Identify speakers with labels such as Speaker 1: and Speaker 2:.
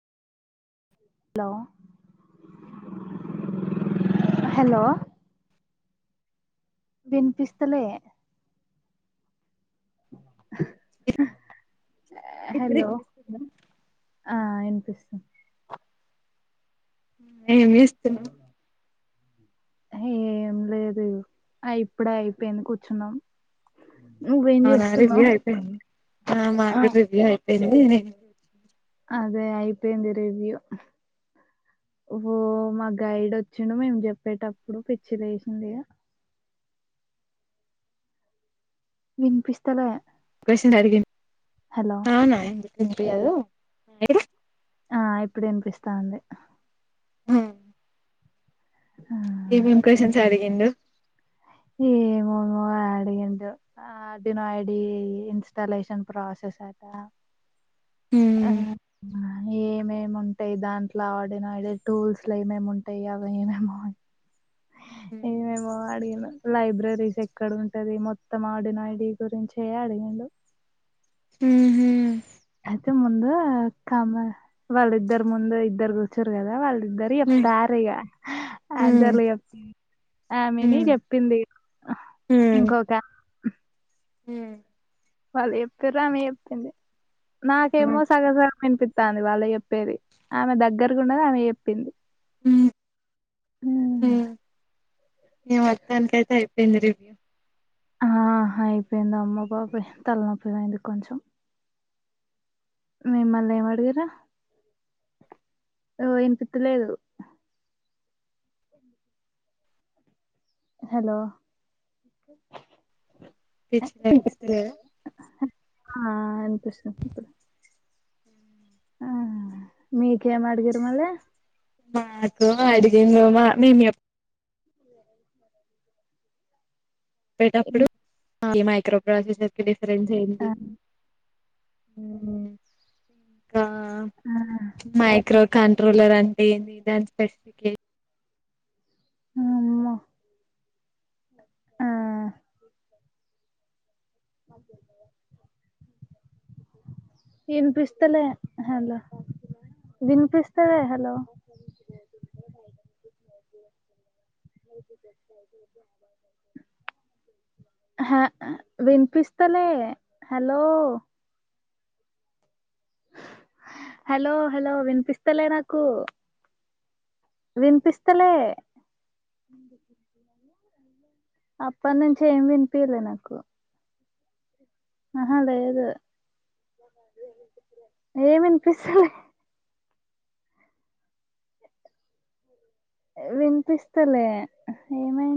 Speaker 1: hello hello బన్పిస్ తాల హా
Speaker 2: ఇప్పుడు
Speaker 1: హలో
Speaker 2: వినిపిస్తుందా
Speaker 1: ఆ వినిపిస్తా
Speaker 2: ఏమి ఇస్తన్నా
Speaker 1: ఏం లేదు ఇప్పుడే అయిపోయింది కూర్చున్నాం నువ్వేం
Speaker 2: అవునా రివ్యూ
Speaker 1: చేస్తున్నావు
Speaker 2: అయిపోయింది ఆ మా కూడా రివ్యూ అయిపోయింది న
Speaker 1: అదే అయిపోయ తెరవ్యూ ఓ మా గైడ్ వచ్చిడు మేము చెప్పేటప్పుడు పిచ్చిదిేసింది వినిపిస్తలే
Speaker 2: క్వన్
Speaker 1: హలో
Speaker 2: అరిగిందినా ఎందుయాదు
Speaker 1: ఆ ఇప్పుడ వినిపిస్తా ఉంది
Speaker 2: హ
Speaker 1: అ
Speaker 2: ఏమేం కోసం సారిగిడు
Speaker 1: ఈ మ అడిగిడు ఆ ో ఐడి ఇన్స్టాలేషన్ ప్రాసెస్ సత
Speaker 2: హ
Speaker 1: ఆ ఏమేమి ఉంటాయి దాంట్లో ఆడిన అదే టూల్స్ లో ఏమేమి ఉంటాయి అవి [inaudible] ఇ
Speaker 2: హ్మ్
Speaker 1: మేమో అడిగాిన లైబ్రరీస్ ఎక్కడ ఉంటది మొత్తం ఆడినాడి గురించ అడిగాండు [inaudible]
Speaker 2: ఊహు
Speaker 1: అయితే ముందు కామ వాళ్ళు ఇద్దరు ముందు ఇద్దరు కూూచారు కదా వాళ్ళు ద్దరి ఎప్
Speaker 2: హ్మ్
Speaker 1: తార ఇగ అంతాల
Speaker 2: హ్మ్
Speaker 1: ఎప్ ఆమెని చెప్పింది
Speaker 2: హ్మ్
Speaker 1: ఇంకొక
Speaker 2: హ్మ్
Speaker 1: వాళ్ళు చెప్తురమే చెప్ప్పింది
Speaker 2: ఆహా
Speaker 1: నాకేమో సగ సగ వినిపిత్తంది వాళ్ళ చెప్పేది ఆమె దగ్గరండది ఆమె చెప్పింది
Speaker 2: ఉమ్ ఇక మొత్తానికి అయితే అయిపింది రివ్యూ
Speaker 1: ఆ అయిపోయింది అమ్మ బాబోయ్ తలనొప్పి పోయింది కొంచెం మిమ్మల్ళ ఏం అడిగరా ఓ ఇన్పితలేదు హలో
Speaker 2: [unintelligible]
Speaker 1: ఆ ఇన్పిస్తుంది ఇప్పుడు ఆ మీకే మడిగిరు మల్లె
Speaker 2: మాకు అడిగిండ్రు మా మేము ఎప్
Speaker 1: [inaudible]
Speaker 2: చెప్పేటప్పుడు ఈ మైక్రో ప్రాసెసర్ కి డిఫరెన్స్
Speaker 1: ఆ
Speaker 2: ఏంది ఉమ్ కా
Speaker 1: ఆ
Speaker 2: మైక్రో కంట్రోలర్ అంటే ఏంది దాని స్పెసిఫికే
Speaker 1: మ్మ ఆ అదే గదా ఇన్పిస్తలే హలో విన్పిస్తలే హలో హ వినిపిస్తలే హలో హలో హలో వినిపిస్తలే నాకు విన్పిస్తలే అప్పటి నుంచి ఏమి వినిపియ్యలే నాకు అహ లేదు ఏం విన్పిస్తలే వినిపిస్తలే ఏమై